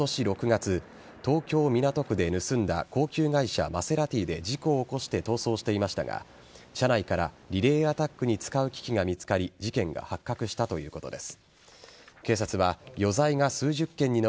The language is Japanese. また、関係者によりますとバジョナ・ロドリゲス容疑者は今年６月、東京・港区で盗んだ高級外車マセラティで事故を起こして逃走していましたが車内からリレーアタックに使う機器が見つかり事件が発覚したということです。